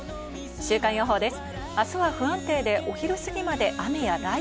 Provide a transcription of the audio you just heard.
週間予報です。